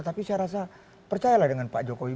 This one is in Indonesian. tapi saya rasa percayalah dengan pak jokowi